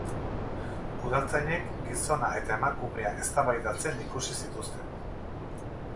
Udaltzainek gizona eta emakumea eztabaidatzen ikusi zituzten.